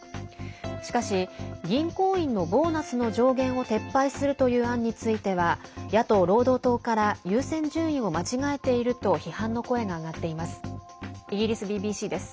しかし銀行員のボーナスの上限を撤廃するという案については野党・労働党から優先順位を間違えていると批判の声が上がっています。